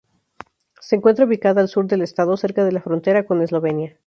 Se encuentra ubicada al sur del estado, cerca de la frontera con Eslovenia.